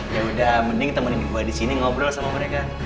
ya udah mending temenin gue disini ngobrol sama mereka